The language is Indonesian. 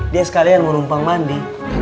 dia sekalian mau numpang mandi